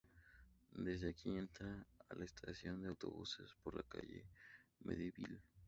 Desde aquí, entra a la Estación de Autobuses por la calle Mendívil.